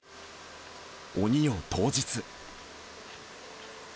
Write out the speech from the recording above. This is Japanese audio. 鬼夜当日。